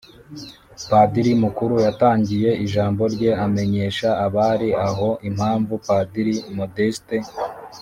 padiri mukuru yatangiye ijambo rye amenyesha abari aho impamvu padiri modeste